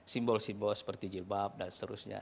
simbol simbol seperti jilbab dan seterusnya